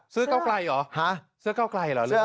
ซื้อเก้าไกรหรอห้ะเสื้อเก้าไกรหรือ